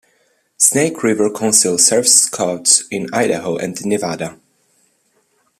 Snake River Council serves Scouts in Idaho and Nevada.